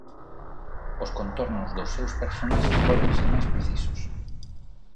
Os contornos dos seus personaxes vólvense máis precisos.